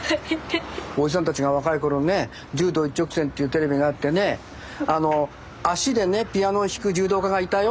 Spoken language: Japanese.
おじさんたちが若い頃ね「柔道一直線」っていうテレビがあってねあの足でねピアノを弾く柔道家がいたよ。